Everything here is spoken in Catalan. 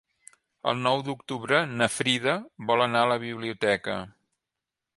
El nou d'octubre na Frida vol anar a la biblioteca.